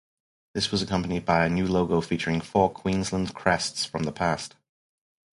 This was accompanied by a new logo featuring four Queensland crests from the past.